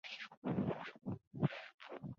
过了这关